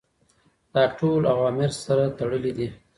دا ټول عوامل سره تړلي دي.